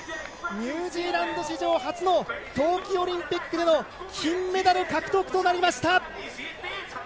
ニュージーランド史上初の冬季オリンピックでの金メダル獲得となりました。